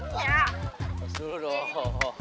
lulus dulu dong